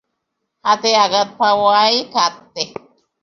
হাতে আঘাত পাওয়ায় কাঁদতে?